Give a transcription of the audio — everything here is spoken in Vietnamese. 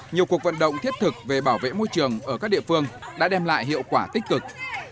nhiều cuộc vận động thiết thực về bảo vệ môi trường ở các địa phương đã đem lại hiệu quả tích cực